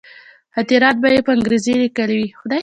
خاطرات به یې په انګرېزي لیکلي وي.